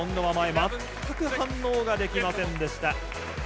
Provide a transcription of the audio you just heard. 全く反応ができませんでした。